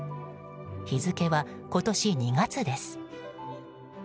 日付は今年２月です。